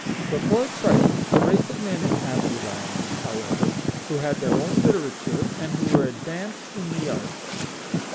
Before Christ a race of men inhabited Ireland, however, who had their own literature, and who were advanced in the arts.